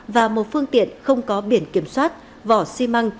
và một phương tiện không có biển kiểm soát vỏ xi măng